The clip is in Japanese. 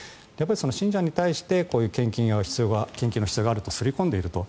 信者に対してこういう献金の必要があると刷り込んでいると。